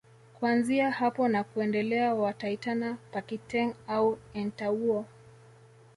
Kuanzia hapo na kuendelea wataitana Pakiteng au Entawuo